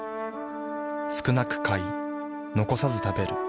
少なく買い残さず食べる。